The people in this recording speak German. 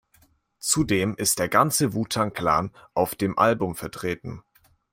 Zudem ist der ganze Wu-Tang Clan auf dem Album vertreten.